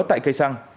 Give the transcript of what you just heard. tại cây xăng